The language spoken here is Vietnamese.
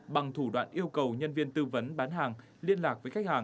bằng thủ đoạn yêu cầu nhân viên tư vấn bán hàng liên lạc với khách hàng